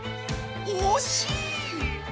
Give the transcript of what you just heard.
おしい！